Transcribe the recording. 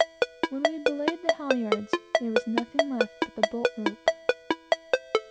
When we belayed the halyards, there was nothing left but the bolt rope.